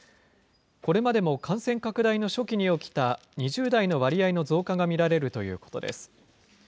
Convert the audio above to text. これまでも感染拡大の初期に起きた２０代の割合の増加が見られるということです。